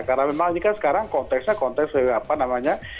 karena memang ini kan sekarang konteksnya